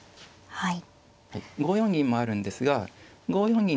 はい。